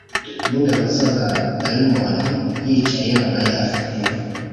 n ingabo z abadayimoni yicaye yambaye afite